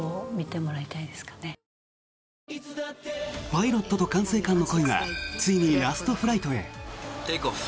パイロットと管制官の恋がついにラストフライトへ。